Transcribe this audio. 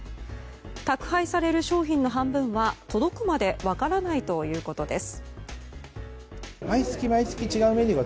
宅配される商品の半分は届くまで分からないということです。